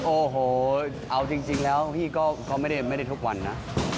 โอ้โหเอาจริงแล้วพี่ก็ไม่ได้ทุกวันนะ